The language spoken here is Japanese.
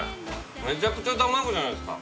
めちゃくちゃ卵じゃないすか。